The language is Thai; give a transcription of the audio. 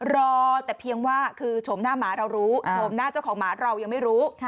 รอแต่เพียงว่าคือโฉมหน้าหมาเรารู้โฉมหน้าเจ้าของหมาเรายังไม่รู้